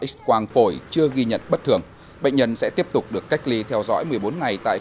x quang phổi chưa ghi nhận bất thường bệnh nhân sẽ tiếp tục được cách ly theo dõi một mươi bốn ngày tại